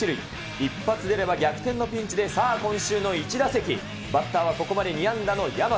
一発出れば逆転のピンチでさあ、今週のイチ打席、バッターはここまで２安打の大和。